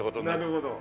なるほど。